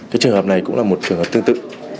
cái trường hợp này cũng là một trường hợp tương tự